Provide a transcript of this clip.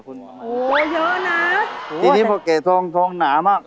ตอนนี้พวกแก้สองน้ำอะ